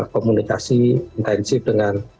komunikasi intensif dengan